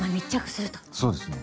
そうですね。